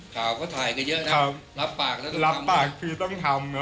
ข่าวก็ถ่ายกันเยอะนะรับปากพี่ต้องทำนะ